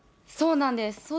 そうなんです。